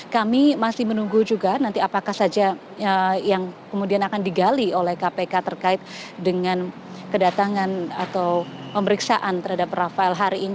kami masih menunggu juga nanti apakah saja yang kemudian akan digali oleh kpk terkait dengan kedatangan atau pemeriksaan terhadap rafael hari ini